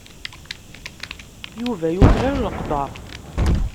Yuba yuklal leqder.